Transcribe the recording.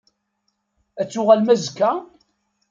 Ad d-tuɣalem azekka?